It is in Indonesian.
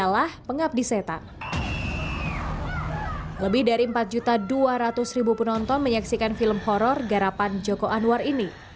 lebih dari empat dua ratus penonton menyaksikan film horror garapan joko anwar ini